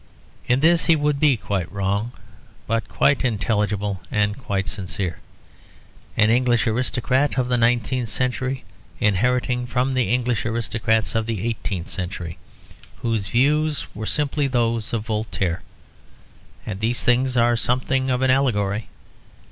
In this he would be quite wrong, but quite intelligible and quite sincere; an English aristocrat of the nineteenth century inheriting from the English aristocrats of the eighteenth century; whose views were simply those of Voltaire. And these things are something of an allegory.